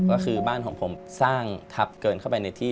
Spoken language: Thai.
ก็คือบ้านของผมสร้างทัพเกินเข้าไปในที่